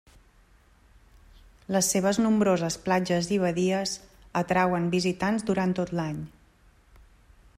Les seves nombroses platges i badies atrauen visitants durant tot l'any.